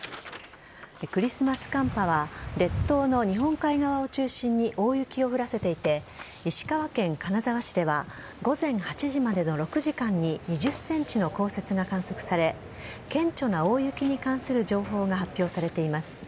クリスマス寒波は列島の日本海側を中心に大雪を降らせていて石川県金沢市では午前８時までの６時間に２０ｃｍの降雪が観測され顕著な大雪に関する情報が発表されています。